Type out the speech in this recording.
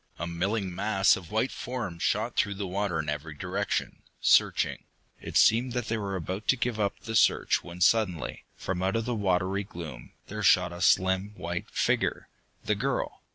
A milling mass of white forms shot through the water in every direction, searching. It seemed that they were about to give up the search when suddenly, from out of the watery gloom, there shot a slim white figure the girl!